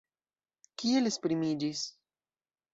Kiel esprimiĝis?